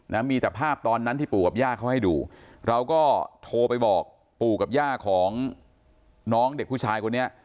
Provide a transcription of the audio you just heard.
นะมีแต่ภาพตอนนั้นที่ปู่กับย่าเขาให้ดูเราก็โทรไปบอกปู่กับย่าของน้องเด็กผู้ชายคนนี้